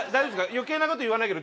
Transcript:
余計なこと言わないけど。